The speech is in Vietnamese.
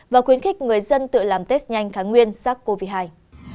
và khuyến khích người dân tự làm test nhanh kháng nguyên sắc covid một mươi chín